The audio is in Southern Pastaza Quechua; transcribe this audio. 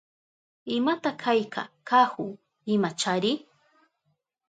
¿Imata kayka kahu? Imachari.